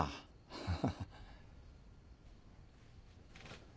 ハハハ。